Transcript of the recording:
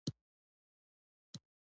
کچالو د غمونو په منځ کې خوندور خواړه دي